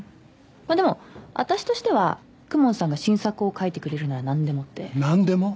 まあでも私としては公文さんが新作を書いてくれるならなんでもってなんでも？